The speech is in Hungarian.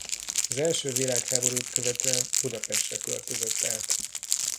Az első világháborút követően Budapestre költözött át.